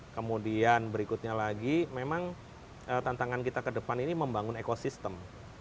kemudian berikutnya lagi memang tantangan kita ke depan ini membangun ekosistem